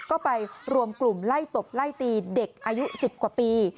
ก็ไปรวมกลุ่มไล่ตบไล่ตีเด็กอายุ๑๐กว่าปี